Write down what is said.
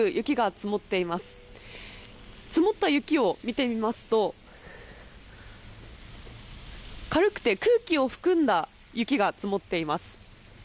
積もった雪を見てみますと、軽くて空気を含んだ雪が積もっています。